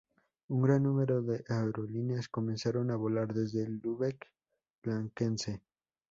Un gran número de aerolíneas comenzaron a volar desde Lúbeck-Blankensee.